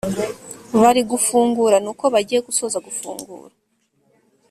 barigufungura nuko bagiye gusoza gufungura